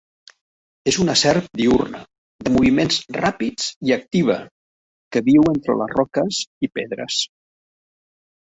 És una serp diürna, de moviments ràpids i activa, que viu entre les roques i pedres.